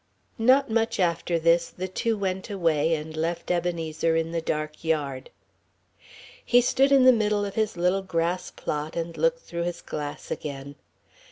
Not much after this, the two went away and left Ebenezer in the dark yard. He stood in the middle of his little grass plot and looked through his glass again.